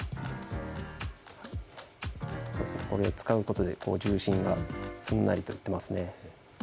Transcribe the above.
これを使うことで重心がすんなりといっていますね。